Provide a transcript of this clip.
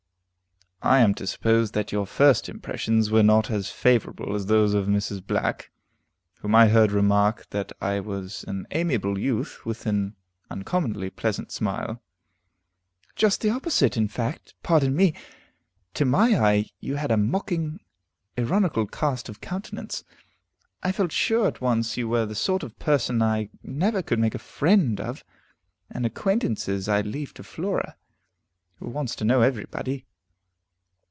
"I am to suppose that your first impressions were not as favorable as those of Mrs. Black, whom I heard remark that I was an amiable youth, with an uncommonly pleasant smile." "Just the opposite, in fact, pardon me! To my eye, you had a mocking, ironical cast of countenance. I felt sure at once you were the sort of person I never could make a friend of, and acquaintances I leave to Flora, who wants to know every body.